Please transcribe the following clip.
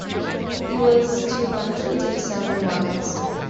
He was to eventually take seven wives.